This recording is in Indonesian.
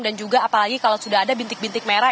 dan juga apalagi kalau sudah ada bintik bintik merah